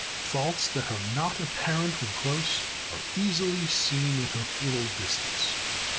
Faults that are not apparent when close, are easily seen at a little distance.